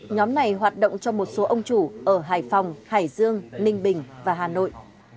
nhóm này hoạt động cho một số ông chủ ở hải phòng hải dương ninh bình và hà nội